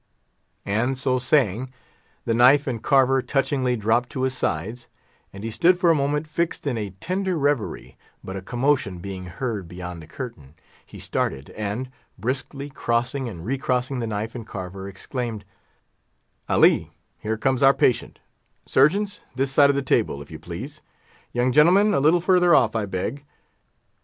And so saying, the knife and carver touchingly dropped to his sides, and he stood for a moment fixed in a tender reverie but a commotion being heard beyond the curtain, he started, and, briskly crossing and recrossing the knife and carver, exclaimed, "Ali, here comes our patient; surgeons, this side of the table, if you please; young gentlemen, a little further off, I beg.